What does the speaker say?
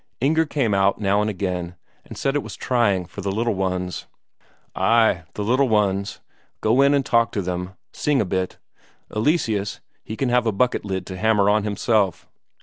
Inger came out now and again and said it was trying for the little ones. "Ay, the little ones go in and talk to them then, sing a bit. Eleseus, he can have a bucket lid to hammer on himself.